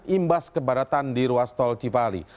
imbas kebadatan di ruas tol cipali